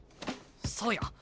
そうや。